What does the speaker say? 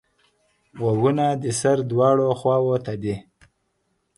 غوږونه د سر دواړو خواوو ته دي